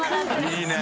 いいね。